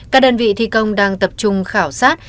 các đơn vị thi công đang tập trung khảo sát